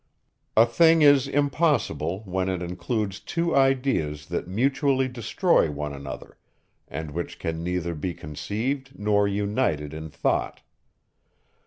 A thing is impossible, when it includes two ideas that mutually destroy one another, and which can neither be conceived nor united in thought.